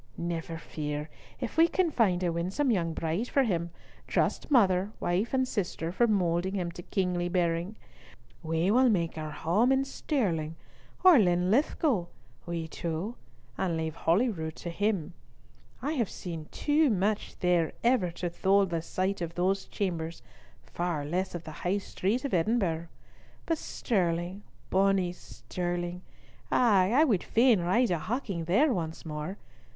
"Never fear, if we can find a winsome young bride for him, trust mother, wife, and sister for moulding him to kingly bearing. We will make our home in Stirling or Linlithgow, we two, and leave Holyrood to him. I have seen too much there ever to thole the sight of those chambers, far less of the High Street of Edinburgh; but Stirling, bonnie Stirling, ay, I would fain ride a hawking there once more.